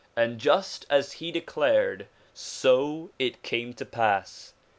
And just as he declared, so it came to pass.